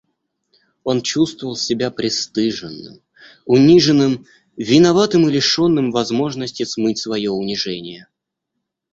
Он чувствовал себя пристыженным, униженным, виноватым и лишенным возможности смыть свое унижение.